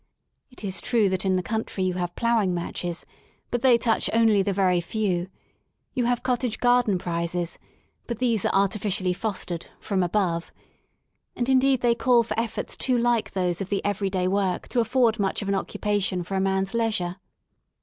It is true that in the country you have ploughing matches, but they touch only the very few; you have cottage garden prizes, but those are artificially fostered from above," and, indeed, they call for efforts too like those of the everyday work to afford much of an occupation 126 LONDON AT LEISURE for a man*s leisure.